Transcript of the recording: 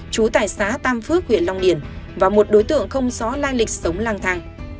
chú tài xá tam phước huyện long điển và một đối tượng không rõ lai lịch sống lang thang